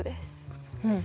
うん。